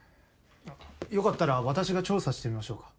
よかったら私が調査してみましょうか？